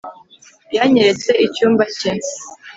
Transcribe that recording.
yanyeretse icyumba cye